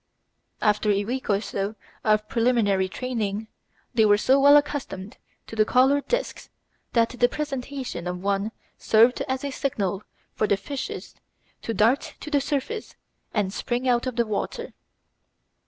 After a week or so of preliminary training, they were so well accustomed to the coloured discs that the presentation of one served as a signal for the fishes to dart to the surface and spring out of the water.